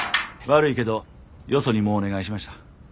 悪いけどよそにもうお願いしました。